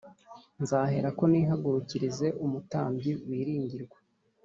Nzaherako nihagurukirize umutambyi wiringirwa